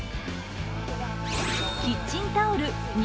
キッチンタオル２